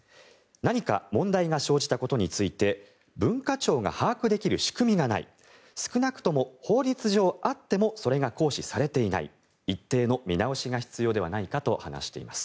何か問題が生じたことについて文化庁が把握できる仕組みがない少なくとも法律上あってもそれが行使されていない一定の見直しが必要ではないかと話しています。